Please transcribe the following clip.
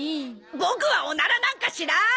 ボクはオナラなんかしない！